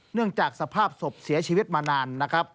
เนื่องจากสภาพศพเสียชีวิตมานาน